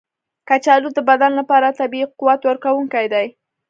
کچالو د بدن لپاره طبیعي قوت ورکونکی دی.